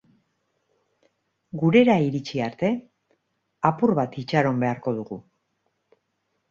Gurera iritsi arte apur bat itxaro beharko dugu.